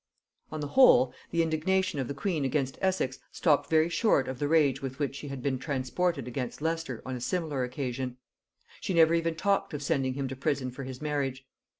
] On the whole, the indignation of the queen against Essex stopped very short of the rage with which she had been transported against Leicester on a similar occasion; she never even talked of sending him to prison for his marriage.